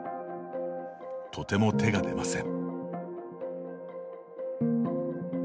とても手が出ません。